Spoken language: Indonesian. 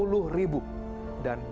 dan jokowi langsung mereformasi